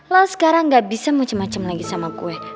lo sekarang gak bisa macem macem lagi sama gue